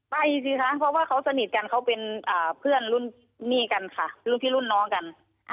ไปสิคะเพราะว่าเขาสนิทกันเขาเป็นเพื่อนรุ่นหนี้กันค่ะรุ่นพี่รุ่นน้องกัน